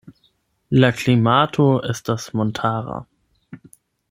La klimato estas montara.